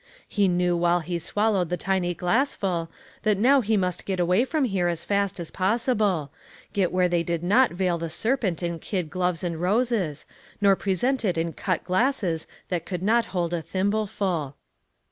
He knew while he swallowed the tiny glassful, that now he must get away from here as fast as possible ; get where they did not veil the serpent in kid gloves and roses, nor present it in cut glasses that would hold a thimbleful.